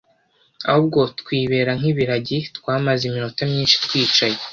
ahubwo twibera nk ibiragi twamaze iminota myinshi twicaye